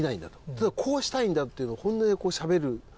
ただこうしたいんだっていうのを本音でしゃべる。